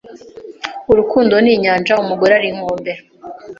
Urukundo ni inyanja umugore ari inkombe.